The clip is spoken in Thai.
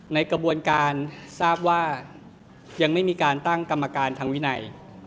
ในกระบวนการทราบว่ายังไม่มีการตั้งกรรมการทางวินัย